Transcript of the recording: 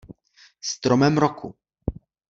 Stromem roku.